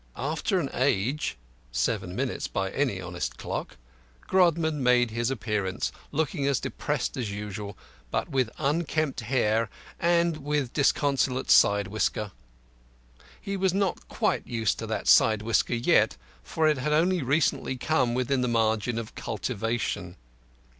After an age seven minutes by any honest clock Grodman made his appearance, looking as dressed as usual, but with unkempt hair and with disconsolate side whisker. He was not quite used to that side whisker yet, for it had only recently come within the margin of cultivation.